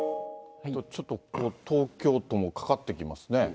ちょっと東京都もかかってきますね。